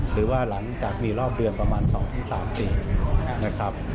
หรือว่าหลังจากมีรอบเดือนประมาณ๒ที่๓๔นะครับ